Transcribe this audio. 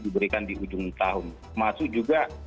diberikan di ujung tahun masuk juga